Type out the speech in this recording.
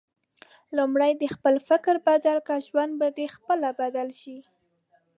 لومړی د خپل فکر بدل کړه ، ژوند به د خپله بدل شي